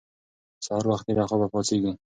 سهار وختي له خوبه پاڅېږئ.